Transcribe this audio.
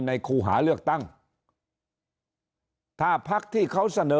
ครูหาเลือกตั้งถ้าพักที่เขาเสนอ